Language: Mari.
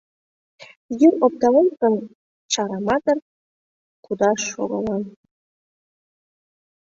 Йӱр опталеш гын, чараматыр кудаш шогалам.